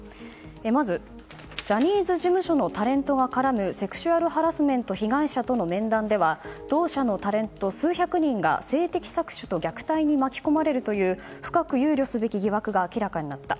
まず、ジャニーズ事務所のタレントが絡むセクシュアルハラスメント被害者との面談では同社のタレント数百人が性的搾取と虐待に巻き込まれるという深く憂慮すべき疑惑が明らかになった。